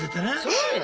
そうよ。